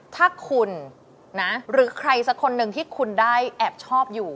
ถ้าคุณนะหรือใครสักคนหนึ่งที่คุณได้แอบชอบอยู่